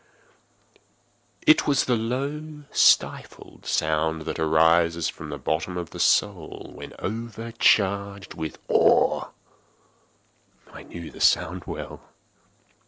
—it was the low stifled sound that arises from the bottom of the soul when overcharged with awe. I knew the sound well.